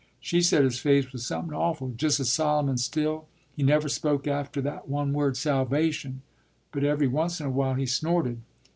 She said his face was somepin awful: just as solemn and still! He never spoke after that one word 'Salvation,' but every once in a while he snorted.